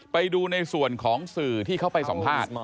ไปดูในส่วนของสื่อที่เขาไปสัมภาษณ์